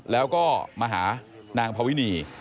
แล้วก็มาหานางภาวินี